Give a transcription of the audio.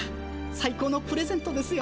さい高のプレゼントですよ。